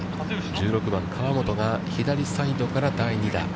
１６番、河本が左サイドから第２打。